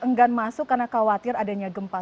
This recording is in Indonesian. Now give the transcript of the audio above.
enggan masuk karena khawatir adanya gempa